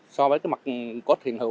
so với cái mặt cốt thiện hữu